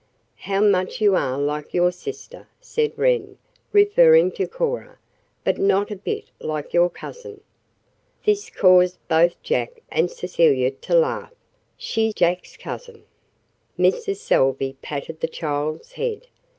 "How much you are like your sister," said Wren, referring to Cora, "but not a bit like your cousin." This caused both Jack and Cecilia to laugh she Jack's cousin! Mrs. Salvey patted the child's head.